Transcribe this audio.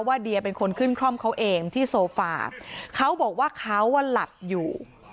เดียเป็นคนขึ้นคล่อมเขาเองที่โซฟาเขาบอกว่าเขาหลับอยู่